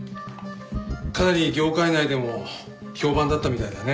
かなり業界内でも評判だったみたいだね。